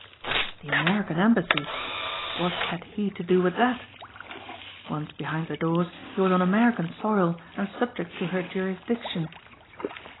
The American Embassy! What had he to do with that? Once behind the doors he was on American soil and subject to her jurisdiction.